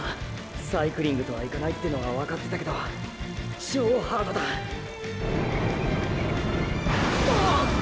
サイクリングとはいかないってのは分かってたけど超ハードだおっ！